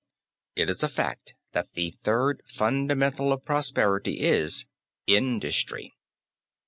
It is a fact that the third fundamental of prosperity is Industry.